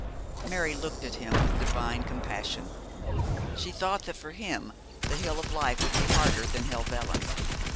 Mary looked at him with divine compassion. She thought that for him the hill of life would be harder than Helvellyn.